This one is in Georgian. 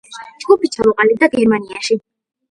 ჯგუფი ჩამოყალიბდა გერმანიაში.